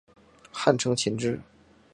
汉承秦制。